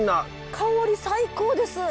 香り最高です！